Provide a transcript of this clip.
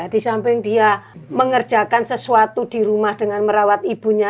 di samping dia mengerjakan sesuatu di rumah dengan merawat ibunya